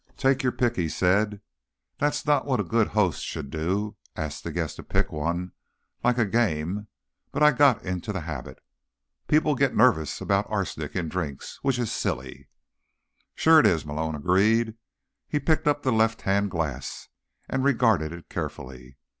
"Take your pick," he said. "That's not what a good host should do, ask the guest to pick one, like a game; but I got into the habit. People get nervous about arsenic in the drinks. Which is silly." "Sure it is," Malone agreed. He picked up the left hand glass and regarded it carefully.